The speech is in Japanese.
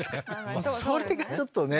それがちょっとね。